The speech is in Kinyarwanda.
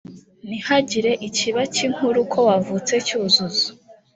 ntihagire ikibakinkuru ko wavutse cyuzuzo